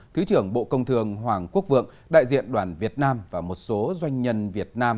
thứ trưởng bộ công thương hoàng quốc vượng đại diện đoàn việt nam và một số doanh nhân việt nam